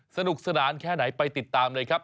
สนุกสนานแค่ไหนไปติดตามเลยครับ